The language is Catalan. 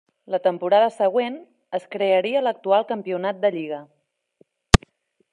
La temporada següent, es crearia l'actual Campionat de Lliga.